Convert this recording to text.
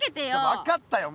分かったよ